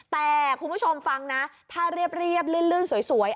แต่คุณผู้ชมฟังนะถ้าเรียบลื่นสวย